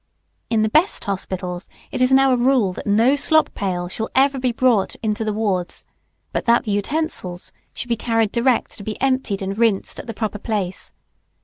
In the best hospitals it is now a rule that no slop pail shall ever be brought into the wards, but that the utensils, shall be carried direct to be emptied and rinsed at the proper place.